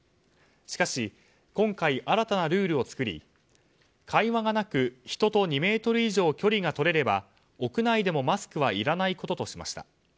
しかし、今回新たなルールを作り会話がなく人と２ｍ以上距離がとれれば屋内でもマスクはいらないこととしました。